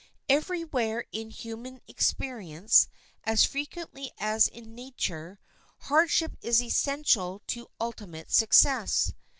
Every where in human experience, as frequently as in nature, hardship is essential to ultimate success.